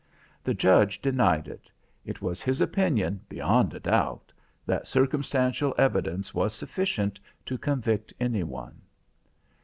The Judge denied it. It was his opinion, beyond a doubt, that circumstantial evidence was sufficient to convict anyone.